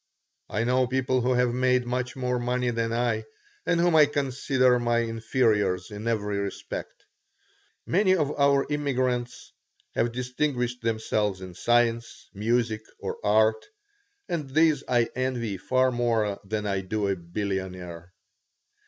I know people who have made much more money than I and whom I consider my inferiors in every respect. Many of our immigrants have distinguished themselves in science, music, or art, and these I envy far more than I do a billionaire.